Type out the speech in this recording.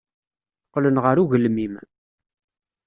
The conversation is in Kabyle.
Qqlen ɣer ugelmim.